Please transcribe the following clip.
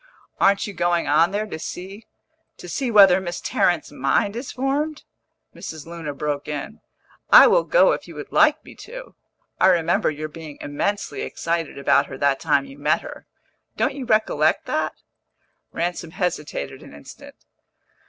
"Aren't you going on there to see " "To see whether Miss Tarrant's mind is formed?" Mrs. Luna broke in. "I will go if you would like me to. I remember your being immensely excited about her that time you met her. Don't you recollect that?" Ransom hesitated an instant.